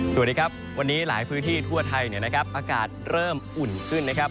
สวัสดีครับวันนี้หลายพื้นที่ทั่วไทยเนี่ยนะครับอากาศเริ่มอุ่นขึ้นนะครับ